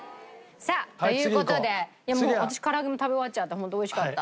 さあという事で私唐揚げも食べ終わっちゃった本当おいしかった。